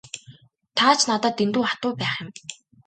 Та ч надад дэндүү хатуу байх юм.